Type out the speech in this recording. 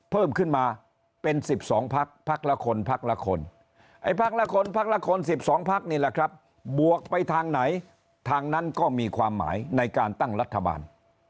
เพิ่มขึ้นมาเป็น๑๒พักพักละคนพักละคนไอ้พักละคนพักละคน๑๒พักนี่แหละครับบวกไปทางไหนทางนั้นก็มีความหมายในการตั้งรัฐบาล